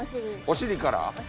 お尻から。